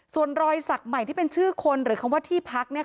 ส่วนรอยสักใหม่ที่เป็นชื่อคนหรือคำว่าที่พัก